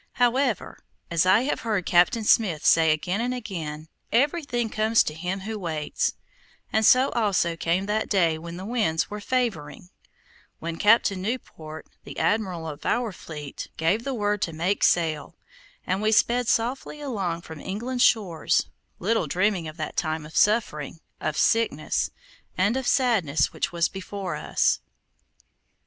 However, as I have heard Captain Smith say again and again, everything comes to him who waits, and so also came that day when the winds were favoring; when Captain Newport, the admiral of our fleet, gave the word to make sail, and we sped softly away from England's shores, little dreaming of that time of suffering, of sickness, and of sadness which was before us.